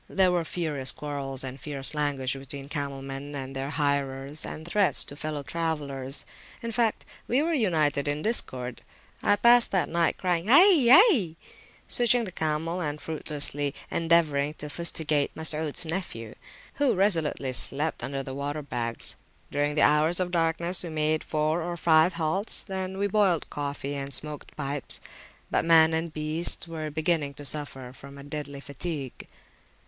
There were furious quarrels and fierce language between camel men and their hirers, and threats to fellow travellers; in fact, we were united in discord. I passed that night crying, Hai! Hai! switching the camel, and fruitlessly endeavouring to fustigate Masuds nephew, who resolutely slept upon the water bags. During the hours of darkness we made four or five halts, when we boiled coffee and smoked pipes; but man and beasts were beginning to suffer from a deadly fatigue.